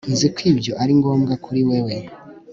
Nzi ko ibyo ari ngombwa kuri wewe